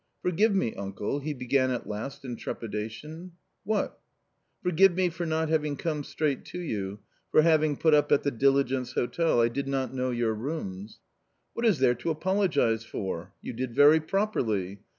" Forgive me, uncle," he began at last in trepidation " What ?"''" Forgive me for not having come straight to you ; for having put up at the Diligence Hotel. I did not know your rooms." —" What is there to apologise for ? You did very properly.